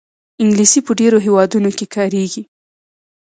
انګلیسي په ډېرو هېوادونو کې کارېږي